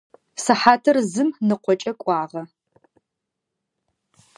Сыхьатыр зым ныкъокӏэ кӏуагъэ.